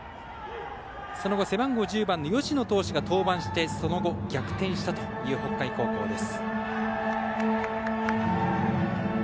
その後、背番号１０番の吉野投手が登板してその後、逆転したという北海高校です。